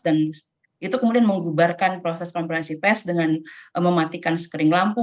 dan itu kemudian mengubarkan proses konferensi pers dengan mematikan skring lampu